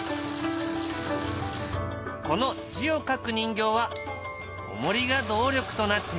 この字を書く人形はおもりが動力となっている。